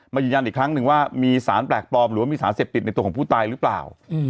ยืนยันอีกครั้งหนึ่งว่ามีสารแปลกปลอมหรือว่ามีสารเสพติดในตัวของผู้ตายหรือเปล่า